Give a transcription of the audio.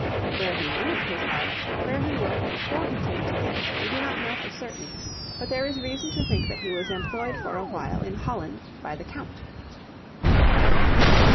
Where he learnt his art, where he worked before he came to Ghent, we do not know for certain, but there is reason to think that he was employed for a while in Holland by the Count.